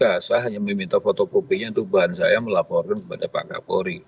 ya saya hanya meminta fotokopinya itu bahan saya melaporkan kepada pak kapolri